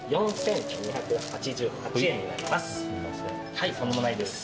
はいとんでもないです。